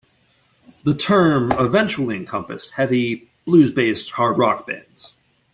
The term eventually encompassed heavy, blues-based hard rock bands.